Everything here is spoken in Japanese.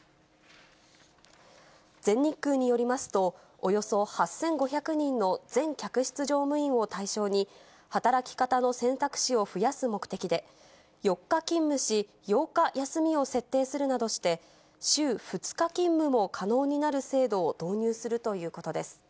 全日空によりますと、およそ８５００人の全客室乗務員を対象に、働き方の選択肢を増やす目的で、４日勤務し、８日休みを設定するなどして、週２日勤務も可能になる制度を導入するということです。